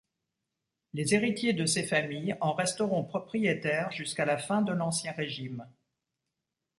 Les héritiers de ces familles en resteront propriétaires jusqu’à la fin de l'Ancien Régime.